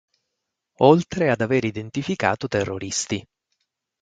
Oltre ad aver identificato terroristi.